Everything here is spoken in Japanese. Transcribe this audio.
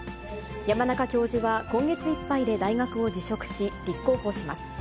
山中教授は今月いっぱいで大学を辞職し、立候補します。